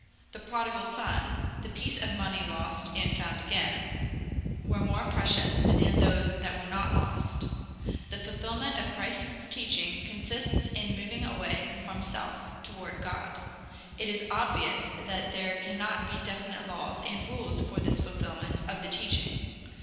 The prodigal son, the piece of money lost and found again, were more precious than those that were not lost. The fulfillment of Christ's teaching consists in moving away from self toward God. It is obvious that there cannot be definite laws and rules for this fulfillment of the teaching.